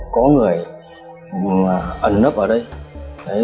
với những người ẩn nấp vào đây